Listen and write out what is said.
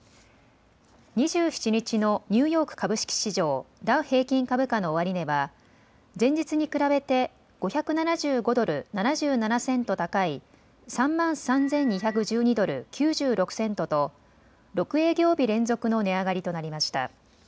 ２７日のニューヨーク株式市場、ダウ平均株価の終値は前日に比べて５７５ドル７７セント高い３万３２１２ドル９６セントと６営業日連続の値上がりとなりました。